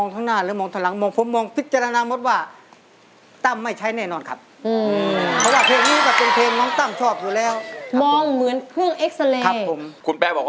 เพื่อจะหยิบเงินล้านให้ได้นะฮะ